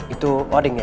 itu odin ya